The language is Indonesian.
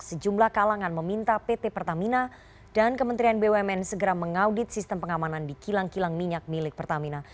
sejumlah kalangan meminta pt pertamina dan kementerian bumn segera mengaudit sistem pengamanan di kilang kilang minyak milik pertamina